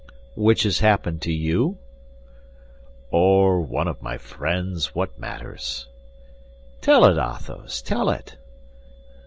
"Which has happened to you?" "Or one of my friends, what matters?" "Tell it, Athos, tell it."